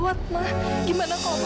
ibu aku sedang mengusutnya